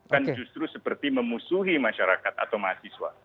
kan justru seperti memusuhi masyarakat atau mahasiswa